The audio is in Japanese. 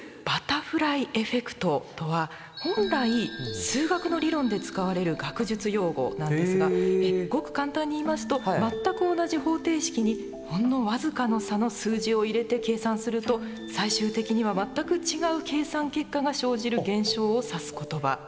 「バタフライエフェクト」とは本来数学の理論で使われる学術用語なんですがごく簡単に言いますと全く同じ方程式にほんのわずかの差の数字を入れて計算すると最終的には全く違う計算結果が生じる現象を指す言葉。